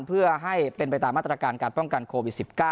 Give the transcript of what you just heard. เพื่อให้เป็นไปตามมาตรการการป้องกันโควิด๑๙